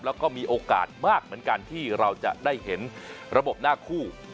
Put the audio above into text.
แล้วก็มีโอกาสมากเหมือนกันที่เราจะได้เห็นระบบหน้าคู่